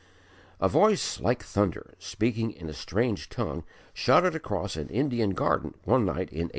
A voice like thunder, speaking in a strange tongue, shouted across an Indian garden one night in 1809.